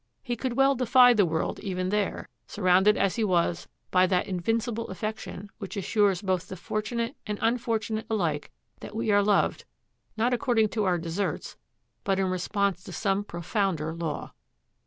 He could well defy the world even there, surrounded as he was by that invincible affection which assures both the fortunate and unfortunate alike that we are loved, not according to our deserts, but in response to some profounder law.